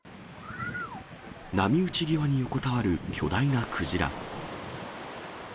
波打ち際に横たわる巨大なクジラ。